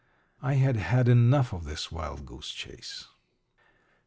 I had had enough of that wild goose chase.